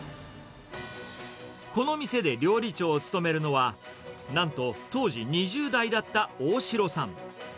この店で料理長を務めるのは、なんと当時２０代だった大城さん。